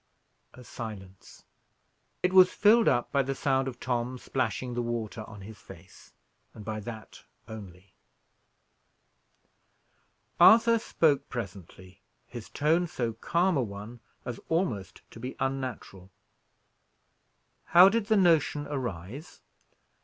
A silence. It was filled up by the sound of Tom splashing the water on his face, and by that only. Arthur spoke presently, his tone so calm a one as almost to be unnatural. "How did the notion arise?"